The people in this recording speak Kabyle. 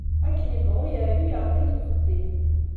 Akken yebɣu yeɛyu, yerǧa-t uxeddim.